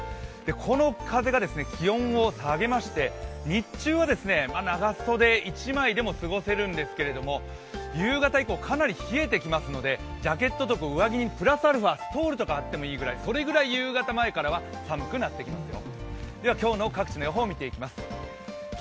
この風が気温を下げまして日中は長袖１枚でも過ごせるんですけども、夕方以降、かなり冷えてきますのでジャケットとか上着にプラスアルファストールとかあってもいいぐらいそれぐらい夕方前からは寒くなってきますよ。